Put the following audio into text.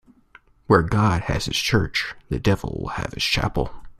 Where God has his church, the devil will have his chapel.